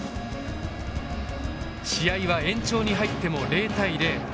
試合は延長に入っても０対０。